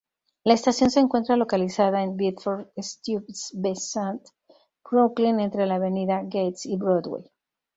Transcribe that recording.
La estación se encuentra localizada en Bedford-Stuyvesant, Brooklyn entre la Avenida Gates y Broadway.